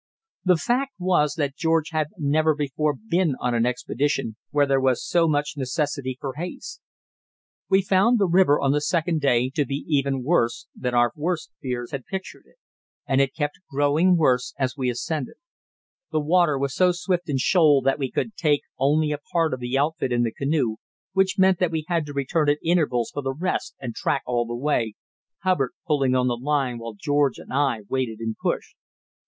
The fact was that George had never before been on an expedition where there was so much necessity for haste. We found the river on the second day to be even worse than our worst fears had pictured it, and it kept growing worse as we ascended. The water was so swift and shoal that we could take only a part of the outfit in the canoe, which meant that we had to return at intervals for the rest and track all the way, Hubbard pulling on the line while George and I waded and pushed.